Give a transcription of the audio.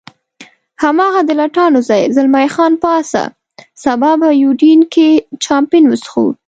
هماغه د لټانو ځای، زلمی خان پاڅه، سبا به په یوډین کې چامپېن وڅښو.